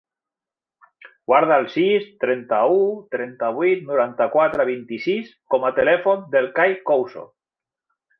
Guarda el sis, trenta-u, trenta-vuit, noranta-quatre, vint-i-sis com a telèfon del Kai Couso.